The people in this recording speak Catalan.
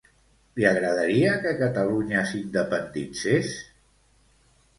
Li agradaria que Catalunya s'independitzés?